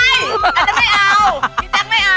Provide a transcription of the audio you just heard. อันนั้นไม่เอา